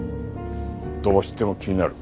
どうしても気になる。